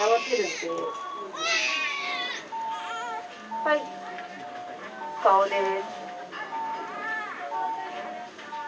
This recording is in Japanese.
はい顔です。